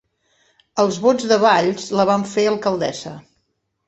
Els vots de Valls la van fer alcaldessa